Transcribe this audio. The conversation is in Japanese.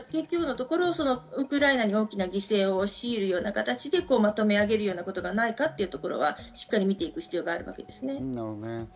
ウクライナに大きな犠牲を強いるような形でまとめ上げるようなことがないかというところはしっかり見ていく必要があるわけですね。